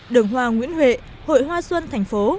đường hoa nguyễn huệ hội hoa xuân thành phố